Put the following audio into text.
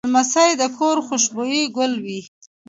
لمسی د کور خوشبویه ګل وي.